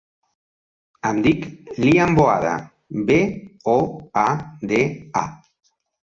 Em dic Lian Boada: be, o, a, de, a.